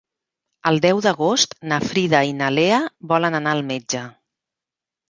El deu d'agost na Frida i na Lea volen anar al metge.